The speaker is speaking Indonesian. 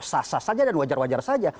sasa saja dan wajar wajar saja